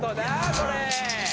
これ。